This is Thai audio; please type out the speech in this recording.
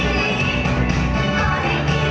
เอาลักทุนใจไว้ทุกข์